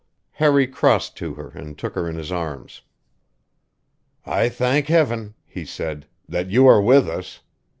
Harry crossed to her and took her in his arms. "I thank Heaven," he said, "that you are with us."